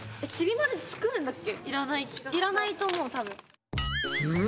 いらないと思うたぶん。